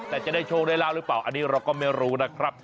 แต่จะได้โชคได้ลาบหรือเปล่าอันนี้เราก็ไม่รู้นะครับ